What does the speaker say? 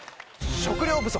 「食糧不足」。